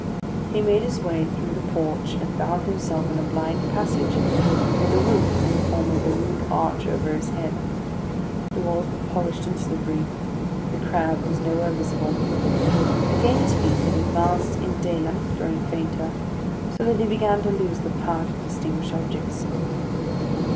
He made his way through the porch, and found himself in a blind passage, with a roof in the form of a rude arch over his head. The walls were polished and slippery. The crab was nowhere visible. He gained his feet and advanced in daylight growing fainter, so that he began to lose the power to distinguish objects.